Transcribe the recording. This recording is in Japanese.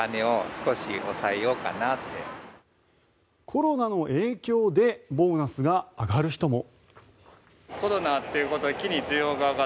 コロナの影響でボーナスが上がる人も。